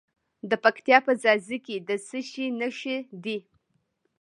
د پکتیا په ځاځي کې د څه شي نښې دي؟